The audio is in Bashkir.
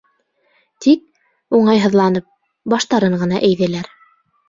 Тик, уңайһыҙланып, баштарын ғына эйҙеләр.